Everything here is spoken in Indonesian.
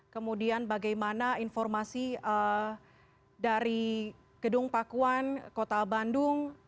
kemudian bagaimana informasi dari gedung pakuan kota bandung